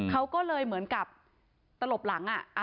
เขาก็เลยเหมือนกับตลบหลัง